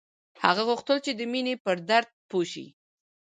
هغه غوښتل چې د مینې پر درد پوه شي